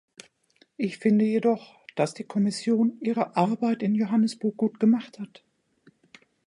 Ich finde jedoch, dass die Kommission ihre Arbeit in Johannesburg gut gemacht hat.